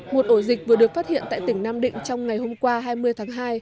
một ổ dịch vừa được phát hiện tại tỉnh nam định trong ngày hôm qua hai mươi tháng hai